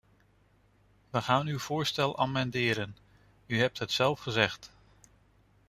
We gaan uw voorstel amenderen, u hebt het zelf gezegd.